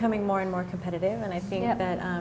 menjadi lebih kompetitif dan saya pikir